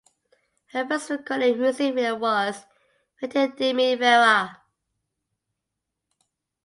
Her first recorded music video was "Vete de mi vera".